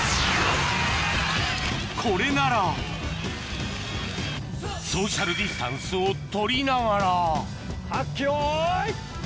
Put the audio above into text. これならソーシャルディスタンスを取りながらはっきよい！